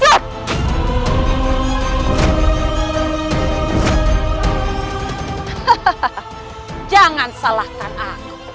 hahaha jangan salahkan aku